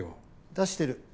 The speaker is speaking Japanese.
出してる。